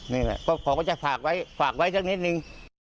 นี่แหละก็เขาก็จะฝากไว้ฝากไว้สักนิดนึง